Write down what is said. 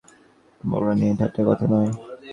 বউরানী, এ ঠাট্টার কথা নয়।